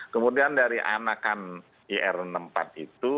kemudian dari anakan ir enam puluh empat itu